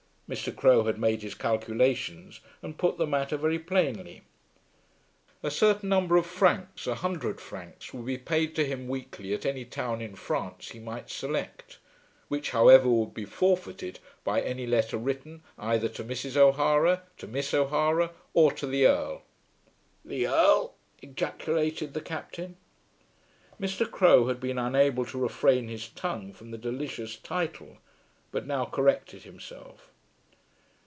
Mr. Crowe had made his calculations, and put the matter very plainly. A certain number of francs, a hundred francs, would be paid to him weekly at any town in France he might select, which however would be forfeited by any letter written either to Mrs. O'Hara, to Miss O'Hara, or to the Earl. "The Earl!" ejaculated the Captain. Mr. Crowe had been unable to refrain his tongue from the delicious title, but now corrected himself.